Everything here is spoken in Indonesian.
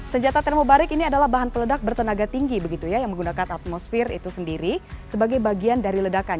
senjata termobarik ini adalah bahan peledak bertenaga tinggi begitu ya yang menggunakan atmosfer itu sendiri sebagai bagian dari ledakan